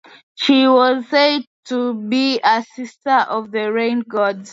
She was said to be a sister of the Rain Gods.